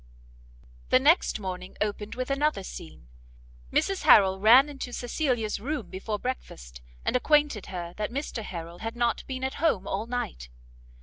The next morning opened with another scene; Mrs Harrel ran into Cecilia's room before breakfast, and acquainted her that Mr Harrel had not been at home all night.